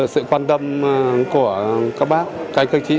sự quan tâm của các bác sĩ y bác sĩ y bệnh viện